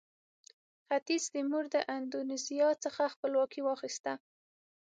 ختیځ تیمور د اندونیزیا څخه خپلواکي واخیسته.